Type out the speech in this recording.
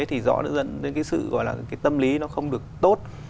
thì rõ ràng đến cái sự gọi là cái tâm lý nó không được tốt